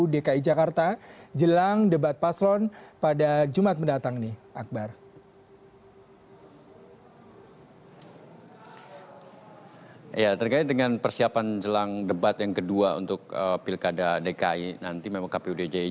dan proses penggantian tersebut tidak bisa digunakan